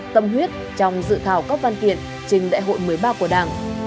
tâm huyết trong dự thảo các văn kiện trình đại hội một mươi ba của đảng